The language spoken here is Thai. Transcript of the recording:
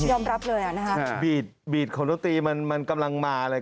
ยอมรับเลยอ่ะนะฮะบีดของดนตรีมันมันกำลังมาเลย